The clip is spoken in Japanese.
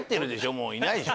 もういないでしょ。